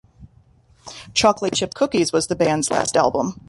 "Chocolate Chip Cookies" was the band's last album.